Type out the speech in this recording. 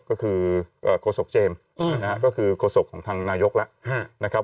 ก็คือโคศกเจมส์ก็คือโคศกของทางนายกละ